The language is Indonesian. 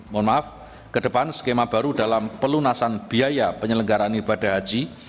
mohon maaf ke depan skema baru dalam pelunasan biaya penyelenggaraan ibadah haji